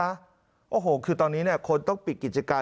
แล้วโอ้โหคือตอนนี้คนต้องปลีกกิจการ